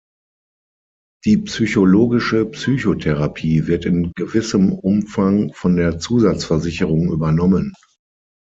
Die psychologische Psychotherapie wird in gewissem Umfang von der Zusatzversicherung übernommen.